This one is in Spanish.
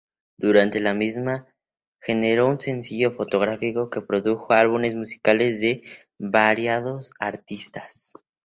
Durante la misma generó un sello fonográfico que produjo álbumes musicales de variados artistas.